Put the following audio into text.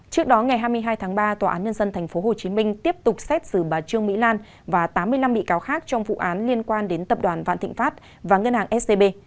trước đó ngày hai mươi hai tháng ba tòa án nhân dân tp hcm tiếp tục xét xử bà trương mỹ lan và tám mươi năm bị cáo khác trong vụ án liên quan đến tập đoàn vạn thịnh pháp và ngân hàng scb